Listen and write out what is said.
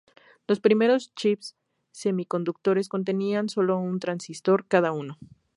Los primeros chip semiconductores contenían solo un transistor cada uno.